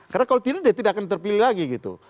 karena kalau tidak dia tidak akan terpilih lagi gitu